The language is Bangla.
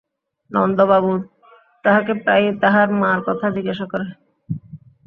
নন্দবাবু তাহকে প্রায়ই তাহার মার কথা জিজ্ঞাসা করে।